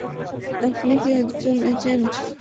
আপনি কি একজন এজেন্ট?